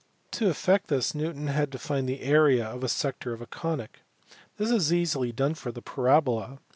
To effect this Newton had to find the area of a sector of a conic. This is easily done for the parabola.